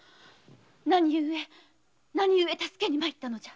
何故助けに参ったのじゃ！